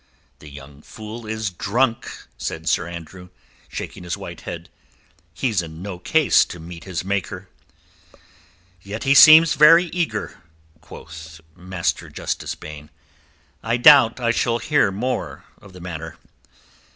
"The young fool is drunk," said Sir Andrew, shaking his white head. "He's in no case to meet his Maker." "Yet he seems very eager," quoth Master Justice Baine. "I doubt I shall hear more of the matter."